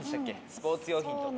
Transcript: スポーツ用品とか。